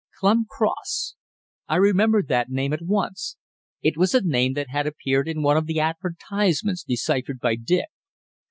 "Clun Cross." I remembered the name at once. It was the name that had appeared in one of the advertisements deciphered by Dick.